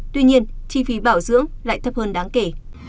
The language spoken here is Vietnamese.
tuy nhiên chi phí bảo dưỡng lại thấp hơn đáng kể